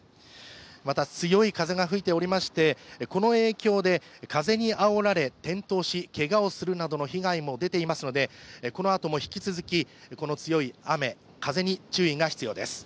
また強い風が吹いておりましてこの影響で風にあおられ転倒する被害も出ていますのでこのあとも引き続き、この強い雨、風に注意が必要です。